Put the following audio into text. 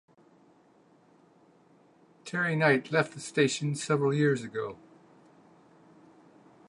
Terry Knight left the station several years ago.